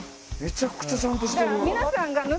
めちゃくちゃちゃんとしてる。